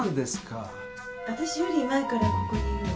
あたしより前からここにいるの。